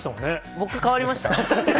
僕、変わりました？